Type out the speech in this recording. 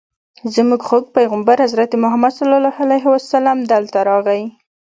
زموږ خوږ پیغمبر حضرت محمد صلی الله علیه وسلم دلته راغی.